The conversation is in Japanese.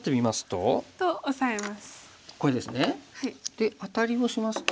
でアタリをしますと。